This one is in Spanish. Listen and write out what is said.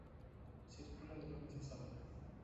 Circula de lunes a sábado.